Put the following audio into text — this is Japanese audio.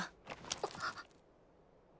あっ。